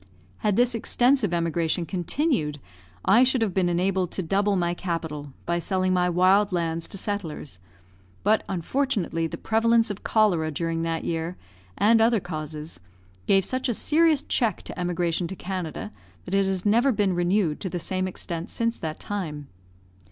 Had this extensive emigration continued, I should have been enabled to double my capital, by selling my wild lands to settlers; but, unfortunately, the prevalence of cholera during that year, and other causes, gave such a serious check to emigration to Canada that it has never been renewed to the same extent since that time.